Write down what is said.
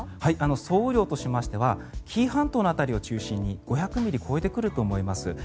総雨量としては紀伊半島の辺りを中心に５００ミリ超えてくると思います。